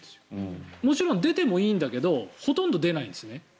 もちろん出てもいいんですがほとんど出ないんです。